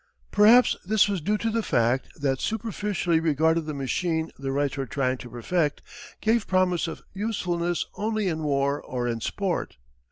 Perhaps this was due to the fact that superficially regarded the machine the Wrights were trying to perfect gave promise of usefulness only in war or in sport.